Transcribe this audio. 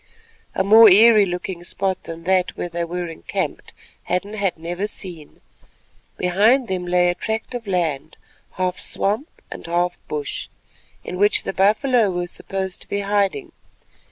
A more eerie looking spot than that where they were encamped Hadden had never seen. Behind them lay a tract of land—half swamp and half bush—in which the buffalo were supposed to be hiding.